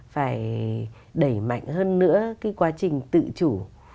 phải đẩy mạnh hơn nữa cái quá trình tự chủ